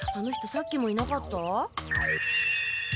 さっきもいなかった？